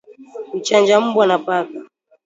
Kuchanja mbwa na paka